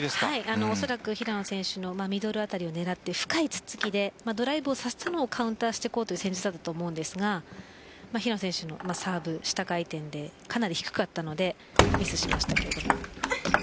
おそらく平野選手のミドル辺りを狙って深いツッツキでドライブを誘ってカウンターする戦術だったと思うんですけど平野選手のサーブ下回転で、かなり低かったのでミスしました。